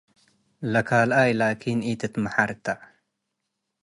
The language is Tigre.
ለካልኣይ ላኪን፣ ኢትትምሐር ተ ።